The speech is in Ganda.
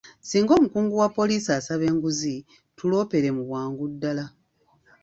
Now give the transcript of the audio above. Singa omukungu wa poliisi asaba enguzi, tuloopere mu bwangu ddaala.